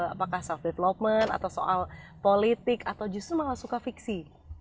apakah self development atau soal politik atau justru malah suka fiksi